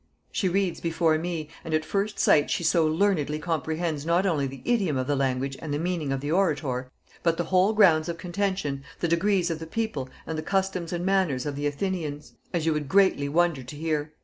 She reads before me, and at first sight she so learnedly comprehends not only the idiom of the language and the meaning of the orator, but the whole grounds of contention, the decrees of the people, and the customs and manners of the Athenians, as you would greatly wonder to hear."